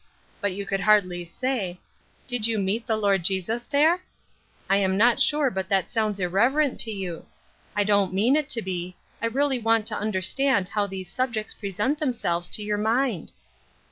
Bat you could hardly Bay, ' Did you meet the Lord Jesus there ?' I am not sure but that sounds irreverent to you. I don't mean it Xo be ; I really want to under stand how those subjects present themselves to your mind."